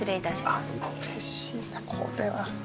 うれしいなこれは。